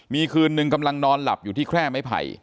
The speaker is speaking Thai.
มีคืนนึงกำลังนอนหลับอยู่ที่แคร่ไม้ไผ่